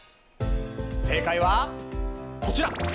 正解はこちら！